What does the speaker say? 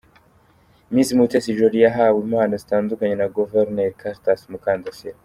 Miss Mutesi Jolly yahawe impano zitandukanye na Guverineri Cartas Mukandasira.